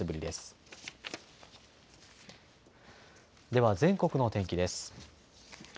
では全国の天気です。